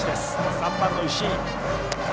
３番の石井。